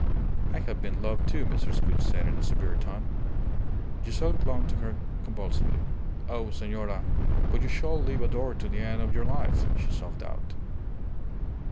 "I have been loved, too," Mrs. Gould said in a severe tone. Giselle clung to her convulsively. "Oh, senora, but you shall live adored to the end of your life," she sobbed out.